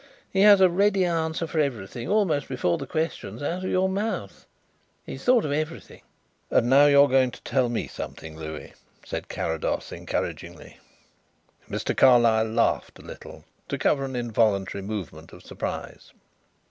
He has a ready answer for everything almost before the question is out of your mouth. He has thought of everything." "And now you are going to tell me something, Louis," said Carrados encouragingly. Mr. Carlyle laughed a little to cover an involuntary movement of surprise.